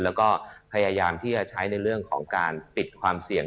แล้วก็พยายามที่จะใช้ในเรื่องของการปิดความเสี่ยง